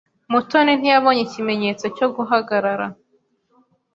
Mutoni ntiyabonye ikimenyetso cyo guhagarara.